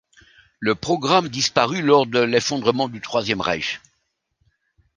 Le programme disparut lors de l'effondrement du Troisième Reich.